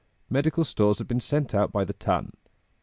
"Medical stores had been sent out by the ton."